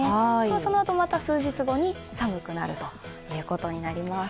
そのあとまた数日後に寒くなるということになります。